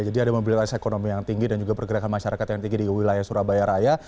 jadi ada mobilitas ekonomi yang tinggi dan juga pergerakan masyarakat yang tinggi di wilayah surabaya raya